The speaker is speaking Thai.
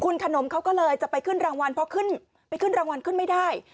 คุณขนมเขาก็เลยจะไปขึ้นรางวัลเพราะขึ้นไปขึ้นรางวัลขึ้นไม่ได้